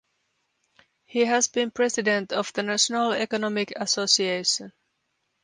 He has been president of the National Economic Association.